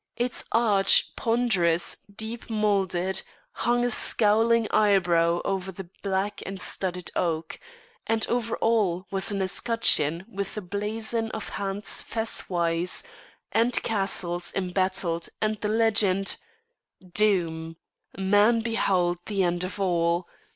Its arch, ponderous, deep moulded, hung a scowling eyebrow over the black and studded oak, and over all was an escutcheon with a blazon of hands fess wise and castles embattled and the legend "Doom Man behauld the end of All.